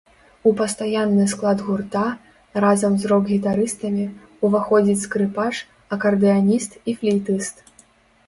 У пастаянны склад гурта, разам з рок-гітарыстамі, уваходзіць скрыпач, акардэаніст і флейтыст.